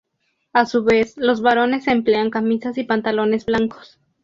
A su vez, los varones emplean camisas y pantalones blancos.